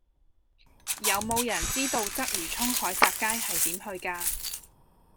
有無人知道鰂魚涌海澤街係點去㗎